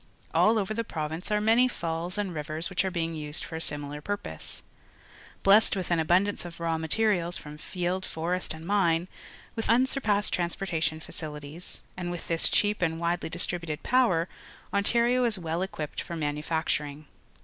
All over the province are many falls and rivers which are being used for a similar purpose. Blessed with an abun dance of raw materials from field, forest, and mine, with unsurpassed transportation facili ties, and with this cheap and widely dis tributed power, Ontar io is well equipped for manufacturing.